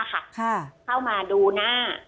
เข้ามาดูหน้า